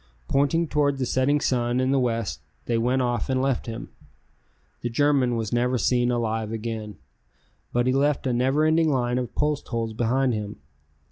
Pointing toward the setting sun in the west, they went off and left him. The German was never seen alive again, but he left a never ending line of post holes behind him.